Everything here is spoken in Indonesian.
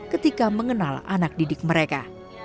ketika mengenal anak didik mereka